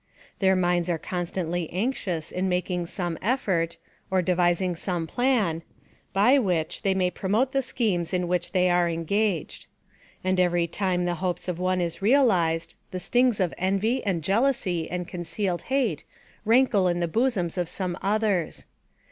Their minds are constantly anxious in making some eflbrt, or devising some plan, by which they may promote the schemes in which they are engaged. And every time the hopes of one is realized, the stings of envy, and jealousy, and concealed hate, rankle in the bosoms of some others.